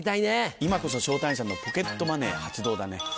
今こそ昇太兄さんのポケットマネー発動だね。